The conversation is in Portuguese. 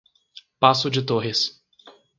Passo de Torres